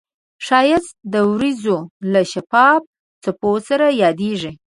ښایست د وریځو له شفافو څپو سره یادیږي